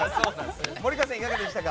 森川さん、いかがでしたか？